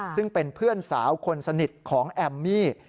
ซึ่งเป็นเพื่อนสาวคนสนิทของแอมมี่